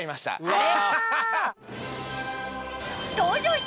うわ！